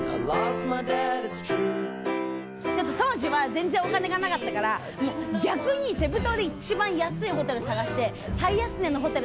ちょっと当時は全然お金がなかったから逆にセブ島で一番安いホテル探して。